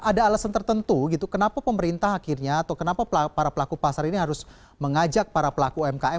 ada alasan tertentu gitu kenapa pemerintah akhirnya atau kenapa para pelaku pasar ini harus mengajak para pelaku umkm